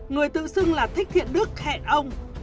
người tự xưng là thích thiện đức hẹn ông